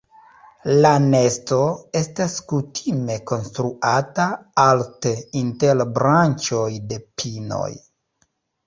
La nesto estas kutime konstruata alte inter branĉoj de pinoj.